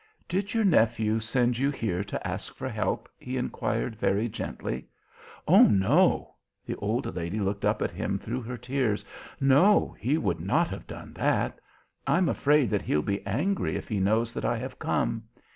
"Did your nephew send you here to ask for help?" he inquired very gently. "Oh, no!" The old lady looked up at him through her tears. "No, he would not have done that. I'm afraid that he'll be angry if he knows that I have come.